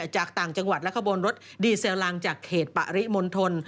จากต่างจังหวัดและขบวนรถดีเซลลังจากเขตปริมณฑล